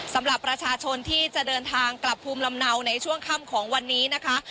สำหรับประชาชนที่จะเดินทางกลับภูมิลำเนาในช่วงค่ำของวันนี้นะคะ